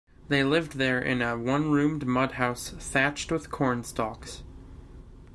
They lived there in a one-roomed mud house thatched with corn stalks.